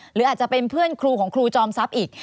หรืออาจจะเป็นเพื่อนครูของครูจอมทรัพย์อีก